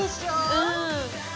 うん。